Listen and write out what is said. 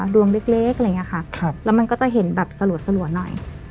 ดวงเล็กอะไรอย่างนี้ค่ะแล้วมันก็จะเห็นแบบสลัวหน่อย